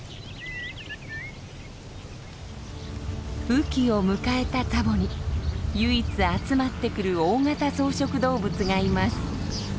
雨季を迎えたツァボに唯一集まってくる大型草食動物がいます。